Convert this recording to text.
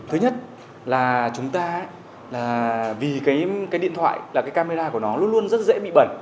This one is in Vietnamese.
thứ nhất là chúng ta vì cái điện thoại là cái camera của nó luôn luôn rất dễ bị bẩn